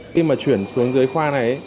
khi mà chuyển xuống giới khoa này